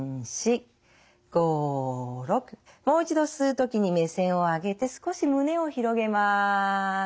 もう一度吸う時に目線を上げて少し胸を広げます。